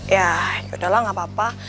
ya yaudahlah nggak apa apa